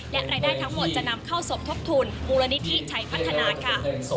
และรายได้ทั้งหมดจะนำเข้าสมทบทุนมูลนิธิชัยพัฒนาค่ะ